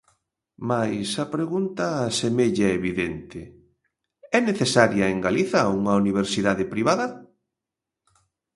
Mais a pregunta semella evidente: ¿é necesaria en Galiza unha universidade privada?